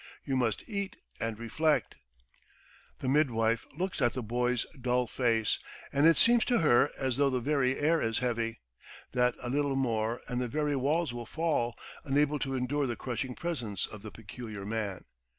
You must eat and reflect. ..." The midwife looks at the boy's dull face, and it seems to her as though the very air is heavy, that a little more and the very walls will fall, unable to endure the crushing presence of the peculiar man.